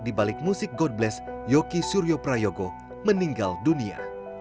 dibalik musik god bless yoki suryo prayogo meninggal dunia